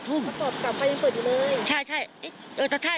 ต่อไปยังเปิดอยู่เลย